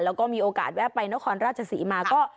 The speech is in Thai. แล้วก็มีโอกาสแวะไปนครราชศรีมาก็